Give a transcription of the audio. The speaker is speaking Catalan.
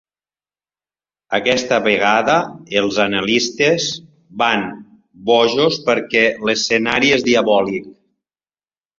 Aquesta vegada els analistes van bojos, perquè l'escenari és diabòlic.